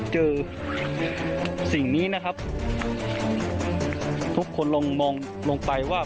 สิ่งนี้นะครับทุกคนลองมองลงไปว่า